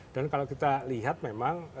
dan kalau kita lihat memang